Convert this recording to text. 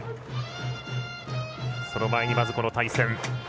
その前にまずこの対戦。